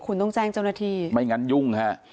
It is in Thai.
คุณต้องแจ้งเจ้าหน้าที่ไม่งั้นยุ่งฮะ